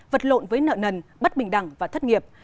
vật lộn với nợ nần bất bình đẳng và thất nghiệp